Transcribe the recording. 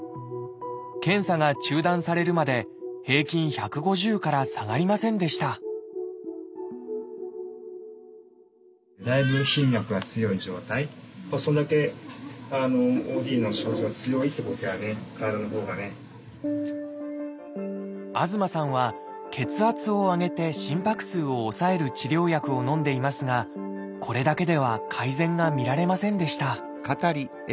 検査が中断されるまで平均１５０から下がりませんでした東さんは血圧を上げて心拍数を抑える治療薬をのんでいますがこれだけでは改善が見られませんでした